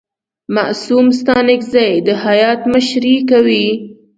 معصوم ستانکزی د هیات مشري کوي.